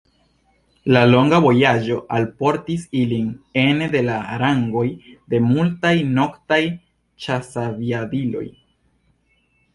La longa vojaĝo alportis ilin ene de la rangoj de multaj noktaj ĉasaviadiloj.